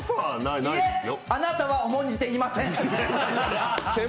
いえ、あなたは重んじていません！